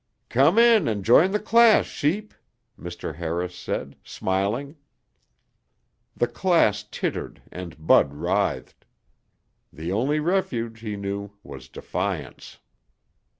"Come in and join the class, sheep," Mr. Harris said, smiling. The class tittered and Bud writhed. The only refuge he knew was defiance.